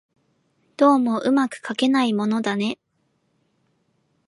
どうも巧くかけないものだね